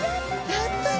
やったね！